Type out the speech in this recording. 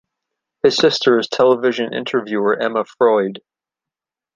His sister is television interviewer Emma Freud.